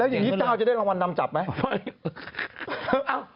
อย่างนี้เจ้าจะได้รางวัลนำจับไหม